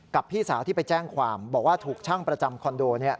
พี่สาวที่ไปแจ้งความบอกว่าถูกช่างประจำคอนโด